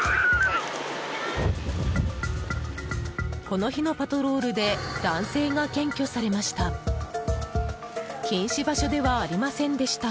この日のパトロールで男性が検挙されました。